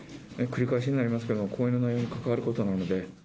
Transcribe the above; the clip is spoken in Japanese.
繰り返しになりますけれども、講演の内容に関わることなので。